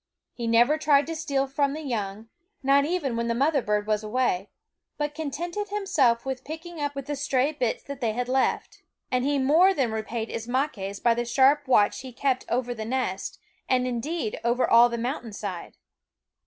He never tried to steal from the young, not even when the mother bird was away, but contented himself with picking up the stray bits that they had left. And he more than repaid Ismaques by the sharp watch which he kept over the nest, and indeed over all the mountain side.